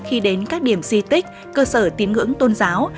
khi đến các điểm di tích cơ sở tín ngưỡng tôn giáo